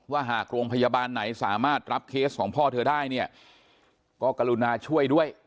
หากโรงพยาบาลไหนสามารถรับเคสของพ่อเธอได้เนี่ยก็กรุณาช่วยด้วย